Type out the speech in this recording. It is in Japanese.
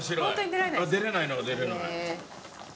出られないのは出られない。